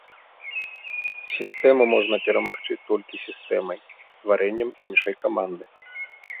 Сістэму можна перамагчы толькі сістэмай, стварэннем іншай каманды.